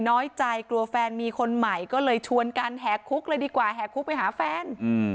น้อยใจกลัวแฟนมีคนใหม่ก็เลยชวนกันแหกคุกเลยดีกว่าแห่คุกไปหาแฟน